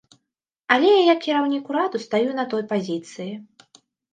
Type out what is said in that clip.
Але я як кіраўнік ураду стаю на той пазіцыі.